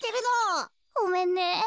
ごめんね。